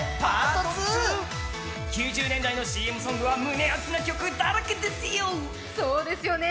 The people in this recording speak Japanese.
９０年代のＣＭソングは胸熱な曲だらけですよ。